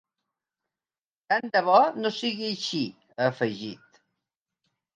Tant de bo no sigui així, ha afegit.